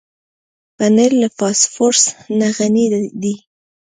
پنېر له فاسفورس نه غني دی.